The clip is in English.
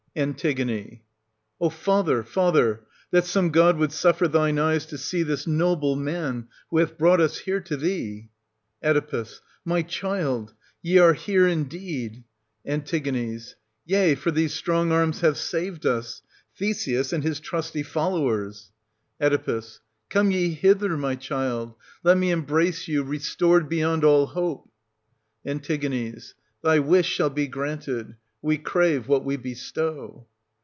An. O father, father, that some god would suffer 1 100 thine eyes to see this noble man, who hath brought us here to thee ! Oe. My child !— ye are here indeed ? An. Yea, for these strong arms have saved us — Theseus, and his trusty followers. II04— ii3i] OEDIPUS AT COLONUS, loi Oe, Come ye hither, my child, — let me embrace you — restored beyond all hope ! An. Thy wish shall be granted — we crave what we bestow.